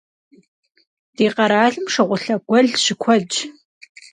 Ди къэралым шыгъулъэ гуэл щыкуэдщ.